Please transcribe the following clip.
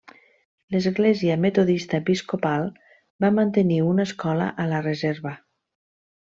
L'Església Metodista Episcopal va mantenir una escola a la reserva.